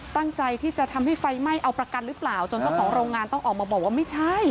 ตั้งใจที่จะทำให้ไฟไหม้เอาประกันหรือเปล่าจนเจ้าของโรงงานต้องออกมาบอกว่าไม่ใช่